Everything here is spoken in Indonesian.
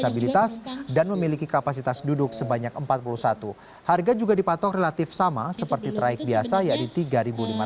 bus metro transjakarta